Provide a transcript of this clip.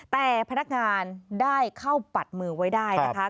แต่พนักงานได้เข้าปัดมือไว้ได้นะคะ